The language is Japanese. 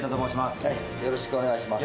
よろしくお願いします。